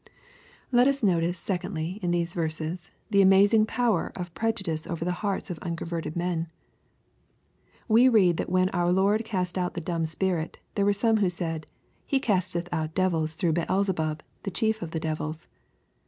Let us notice, secondly, in these verses, the amazing power of prejudice over the hearts of unconverted men. We read, that when our Lord cast out the dumb spirit, there were some who said, " He casteth out devils through Beelzebub, the chief of the devils."